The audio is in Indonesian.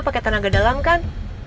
pakai tenaga dalam kan